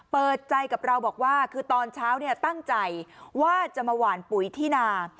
เปิดใจกับเราบอกว่าคือตอนเช้าเนี่ยตั้งใจว่าจะมาหวานปุ๋ยที่นา